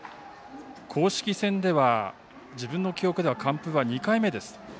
公式戦では、自分の記憶では完封は２回目です。